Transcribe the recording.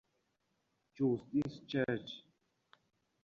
Jooste’s church.